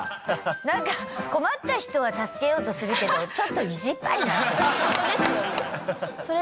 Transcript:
なんか困った人は助けようとするけどちょっと意地っ張りなんだ。